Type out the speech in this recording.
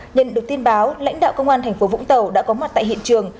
nhận được tin báo lãnh đạo công an thành phố vũng tàu đã có mặt tại hiện trường